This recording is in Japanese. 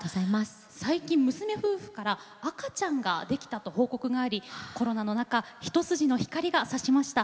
最近、娘夫婦から赤ちゃんができたと報告がありコロナの中一筋の光がさしました。